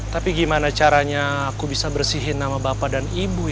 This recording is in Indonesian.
tapi gimana caranya aku bisa bersihin nama bapak dan ibu